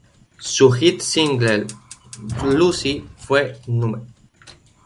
Su hit single "Lucy" fue No.